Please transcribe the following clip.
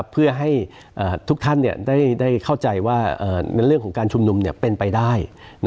เพื่อให้ทุกท่านได้เข้าใจว่าในเรื่องของการชุมนุมเป็นไปได้